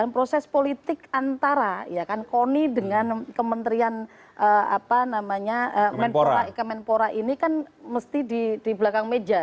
proses politik antara koni dengan kementerian kemenpora ini kan mesti di belakang meja